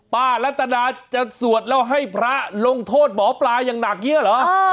ป้ารัตนาจะสวดแล้วให้พระลงโทษหมอปลายังหนักเยอะเหรอ